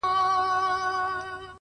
نظم د بریالیتوب خاموش انجن دی.!